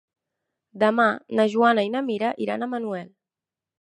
Demà na Joana i na Mira iran a Manuel.